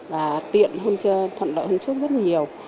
và tiện hơn trước rất nhiều